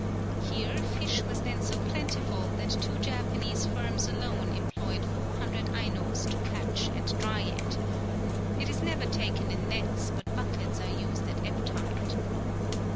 Here fish was then so plentiful, that two Japanese firms alone employed 400 Ainos to catch and dry it. It is never taken in nets, but buckets are used at ebb tide.